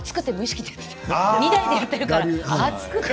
２台でやってるから暑くて。